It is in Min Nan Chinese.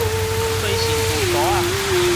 洗身軀槽仔